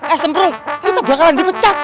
eh sempro kita bakalan dipecat